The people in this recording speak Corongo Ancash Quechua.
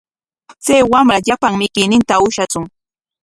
Chay wamra llapan mikuyninta ushatsun.